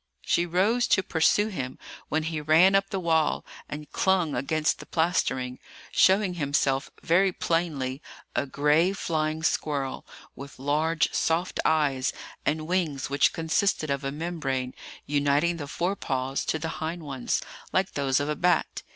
She rose to pursue him, when he ran up the wall, and clung against the plastering, showing himself very plainly a gray flying squirrel, with large, soft eyes, and wings which consisted of a membrane uniting the fore paws to the hind ones, like those of a bat.